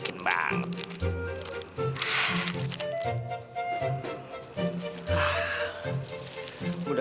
kaindah technologi cukup gud